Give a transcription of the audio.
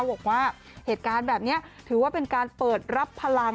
บอกว่าเหตุการณ์แบบนี้ถือว่าเป็นการเปิดรับพลัง